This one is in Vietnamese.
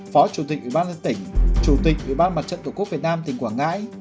phó chủ tịch ủy ban nhân tỉnh chủ tịch ủy ban mặt trận tổ quốc việt nam tỉnh quảng ngãi